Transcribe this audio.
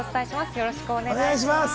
よろしくお願いします。